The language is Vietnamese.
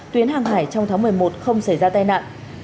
tuyến hàng hải trong tháng một mươi một không xảy ra tai nạn